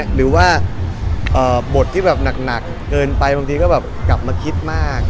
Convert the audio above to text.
หรือว่าบทที่แบบหนักเกินไปบางทีก็แบบกลับมาคิดมาก